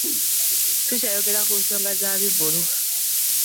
Tukyayogera ku nsonga za bivvulu.